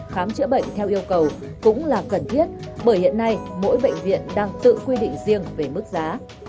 khám chữa bệnh theo yêu cầu cũng là cần thiết bởi hiện nay mỗi bệnh viện đang tự quy định riêng về mức giá